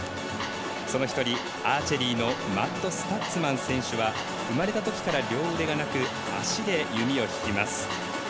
その１人、アーチェリーのマット・スタッツマン選手は生まれたときから両腕がなく足で弓を引きます。